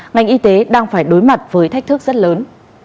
ngành y tế đang phải đối mặt với thách thức rất lớn